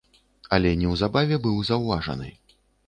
Але неўзабаве быў заўважаны.